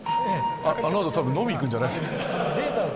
あの後多分飲みに行くんじゃないですか。